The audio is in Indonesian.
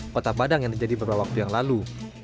kota padang yang terjadi beberapa waktu yang lalu